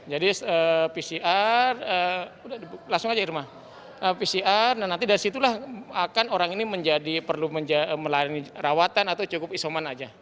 jadi pcr sudah langsung saja irma pcr dan nanti dari situlah akan orang ini perlu melalui rawatan atau cukup isoman saja